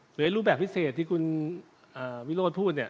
หรืออีกรูปแบบพิเศษที่คุณวิโรธพูด